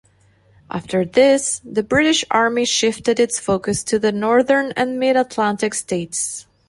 After this, the British Army shifted its focus to the Northern and Mid-Atlantic states.